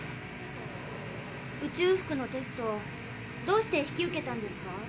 宇宙服のテストどうして引き受けたんですか？